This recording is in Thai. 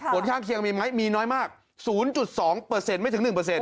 บนข้างเคียงมีไหมมีน้อยมาก๐๒เปอร์เซ็นต์ไม่ถึง๑เปอร์เซ็นต์